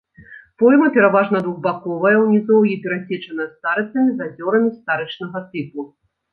Пойма пераважна двухбаковая, у нізоўі перасечаная старыцамі з азёрамі старычнага тыпу.